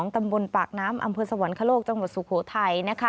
ตำบลปากน้ำอำเภอสวรรคโลกจังหวัดสุโขทัย